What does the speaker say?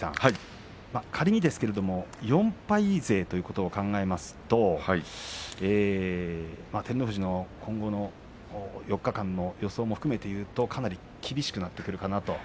仮にですけれど４敗勢ということを考えますと照ノ富士の今後の４日間の予想も含めて言いますとかなり厳しくなってくるかなと。